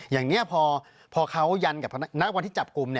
อย่างนี้พอเขายันกับณวันที่จับกลุ่ม